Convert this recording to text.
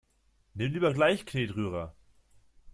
Nimm lieber gleich Knetrührer!